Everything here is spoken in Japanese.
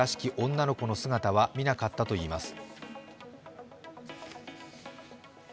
女の子の姿は見なかったといいます。